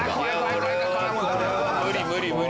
無理無理無理無理。